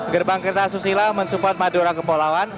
gerbang kertasusila mensupport madura kepolawan